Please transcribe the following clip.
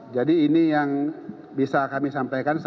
jadi ini yang bisa kami sampaikan